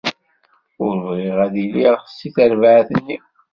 Ur bɣiɣ ad iliɣ seg terbaɛt-nni.